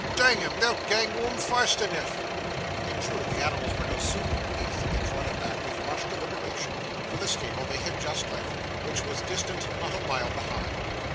Dang 'em, they'll gang whoam fast eneaf!' In truth, the animals were no sooner released than they trotted back, with much deliberation, to the stable they had just left, which was distant not a mile behind.